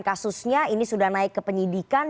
kasusnya ini sudah naik ke penyidikan